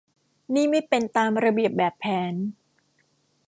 นี่ไม่เป็นตามระเบียบแบบแผน